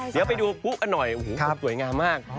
เดี๋ยวไปดูกุ๊กันหน่อยอูหูอยากสวยงามมาก